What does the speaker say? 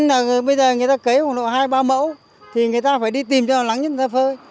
dân bây giờ người ta cấy một độ hai ba mẫu thì người ta phải đi tìm cho lắng nhất người ta phơi